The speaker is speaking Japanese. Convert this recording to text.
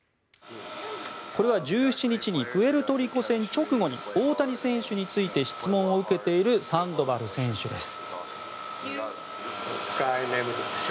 これは１７日にプエルトリコ戦直後に大谷選手について質問を受けているサンドバル選手です。